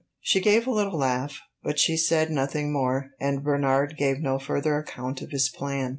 She gave a little laugh, but she said nothing more, and Bernard gave no further account of his plan.